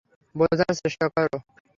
বোঝার চেষ্টা করো।